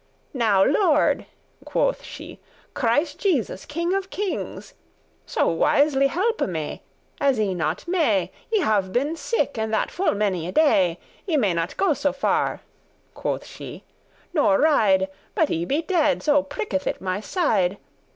"Now Lord," quoth she, "Christ Jesus, king of kings, So wis1y* helpe me, *as I not may.* *surely *as I cannot* I have been sick, and that full many a day. I may not go so far," quoth she, "nor ride, But I be dead, so pricketh it my side.